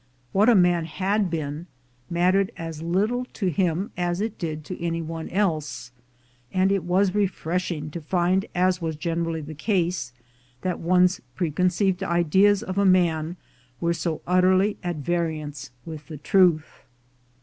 What a man had been mattered as little to him as it did to any one else; and it was refreshing to find, as was generally the case, that one's preconceived ideas of a man were so utterly at variance with the truth.